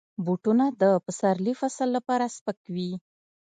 بوټونه د پسرلي فصل لپاره سپک وي.